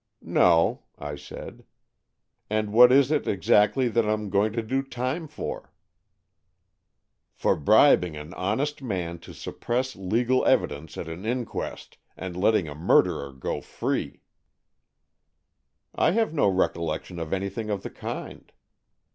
"No," I said. "And what is it exactly that I'm going to do time for? "" For bribing an honest man to suppress legal evidence at an inquest, and letting a murderer go free." AN EXCHANGE OF SOULS 171 " I have no recollection of anything of the kind.